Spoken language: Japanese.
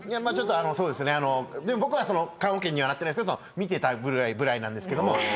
あのでも僕は棺おけにはなってないですけど見てたぐらいなんですけども。